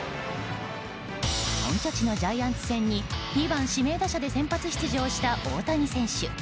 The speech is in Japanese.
本拠地のジャイアンツ戦に２番指名打者で先発出場した大谷選手。